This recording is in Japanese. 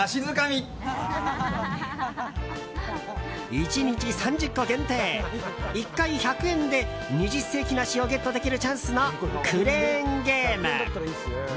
１日３０個限定１回１００円で二十世紀梨をゲットできるチャンスのクレーンゲーム。